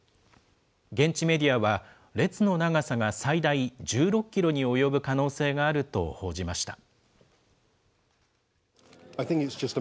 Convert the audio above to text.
現地メディアは列の長さが最大１６キロに及ぶ可能性があると報じました。